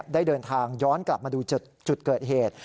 ได้เดินทางย้อนกลับมาดูจุดเกิดเหตุ